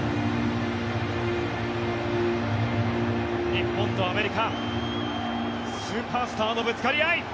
日本とアメリカスーパースターのぶつかり合い。